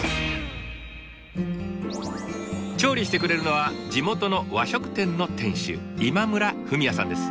調理してくれるのは地元の和食店の店主今村文也さんです。